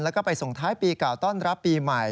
แล้วก็ไปส่งท้ายปีเก่าต้อนรับปีใหม่